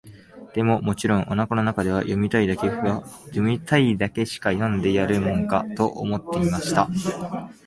でも、もちろん、お腹の中では、読みたいだけしか読んでやるもんか、と思っていました。